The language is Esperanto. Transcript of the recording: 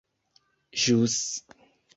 ĵus